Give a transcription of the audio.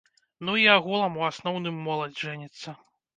Ну і агулам у асноўным моладзь жэніцца.